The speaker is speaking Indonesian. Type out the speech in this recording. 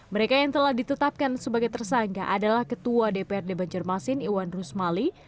mereka yang telah ditetapkan sebagai tersangka adalah ketua dprd banjarmasin iwan rusmali